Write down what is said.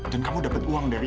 dan kamu dapet uang dari